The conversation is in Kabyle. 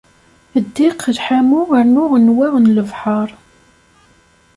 Ddiq, lḥamu rnu nnwa n lebḥer.